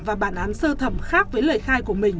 và bản án sơ thẩm khác với lời khai của mình